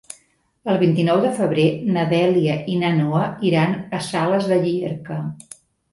El vint-i-nou de febrer na Dèlia i na Noa iran a Sales de Llierca.